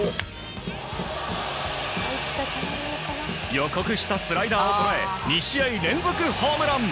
予告したスライダーを捉え２試合連続ホームラン。